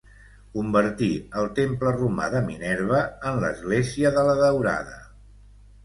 Convertí el temple romà de Minerva en l'església de la Daurada.